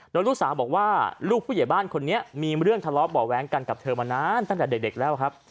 โดยลูกสาวบอกว่าลูกผู้ใหญ่บ้านคนนี้มีเรื่องทะเลาะบ่อแว้งกันกับเธอมานานตั้งแต่เด็กแล้วครับ